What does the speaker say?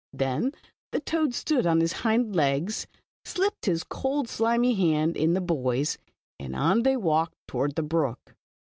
" Then the toad stood on his hind legs, slipped his cold, slimy hand in the boy's, and on they walked toward the brook.